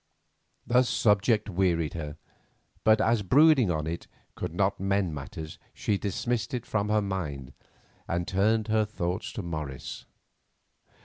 The subject wearied her, but as brooding on it could not mend matters, she dismissed it from her mind, and turned her thoughts to Morris.